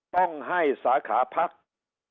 ต้องให้สาขาพัก